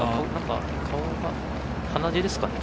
顔が、鼻血ですかね。